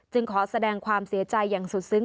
ขอแสดงความเสียใจอย่างสุดซึ้ง